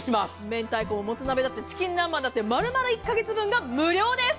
明太子、もつ鍋だってチキン南蛮だって、丸々１か月分が無料です。